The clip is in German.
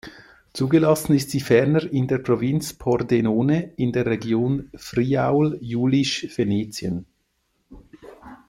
Zugelassen ist sie ferner in der Provinz Pordenone in der Region Friaul-Julisch Venetien.